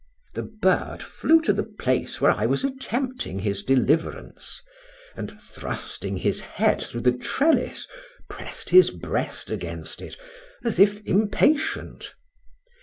The bird flew to the place where I was attempting his deliverance, and thrusting his head through the trellis pressed his breast against it as if impatient.